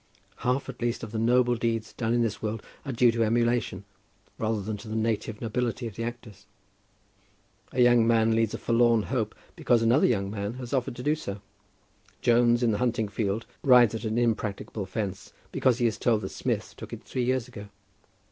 Half at least of the noble deeds done in this world are due to emulation, rather than to the native nobility of the actors. A young man leads a forlorn hope because another young man has offered to do so. Jones in the hunting field rides at an impracticable fence because he is told that Smith took it three years ago.